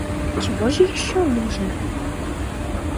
Чего же еще нужно?